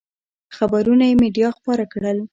خبرونه یې مېډیا خپاره کړل.